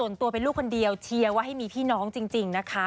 ส่วนตัวเป็นลูกคนเดียวเชียร์ว่าให้มีพี่น้องจริงนะคะ